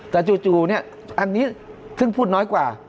แต่จู่เนี่ยอันนี้ซึ่งพูดน้อยกว่า